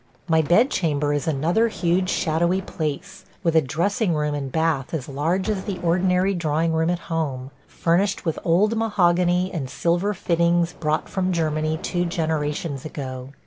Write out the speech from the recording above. My bedchamber is another huge shadowy place, with a dressing room and bath as large as the ordinary drawing room at home, furnished with old mahogany and silver fittings brought from Germany two generations ago.